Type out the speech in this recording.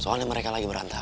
soalnya mereka lagi berantakan